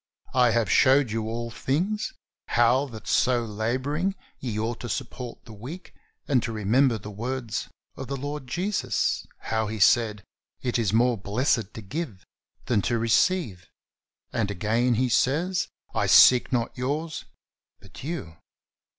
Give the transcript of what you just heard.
I have showed you all things, how that so laboring ye ought to support the weak and to remember the words of the Lord Jesus, how He said. It is more blessed to give than to receive." And again he says: "I seek not yours but you."